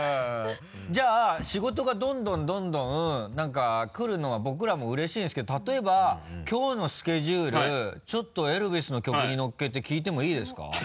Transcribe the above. じゃあ仕事がどんどんどんどん何か来るのは僕らもうれしいんですけど例えばきょうのスケジュールちょっとエルヴィスの曲にのっけて聞いてもいいですか？